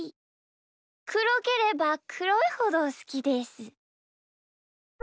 くろければくろいほどすきです。